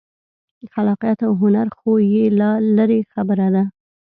خلاقیت او هنر خو یې لا لرې خبره ده.